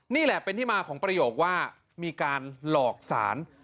นี่แหละเป็นที่มาของประโยคว่ามีการหลอกสาร